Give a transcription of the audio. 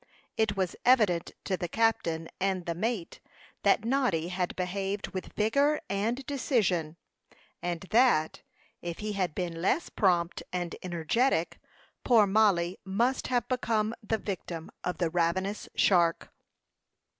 It was evident to the captain and the mate, that Noddy had behaved with vigor and decision, and that, if he had been less prompt and energetic, poor Mollie must have become the victim of the ravenous shark.